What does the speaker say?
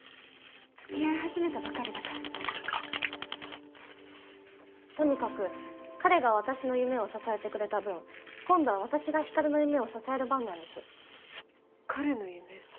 付き合い始めたばかりだからとにかく彼が私の夢を支えてくれた分今度は私が光琉の夢を支える番なんです彼の夢？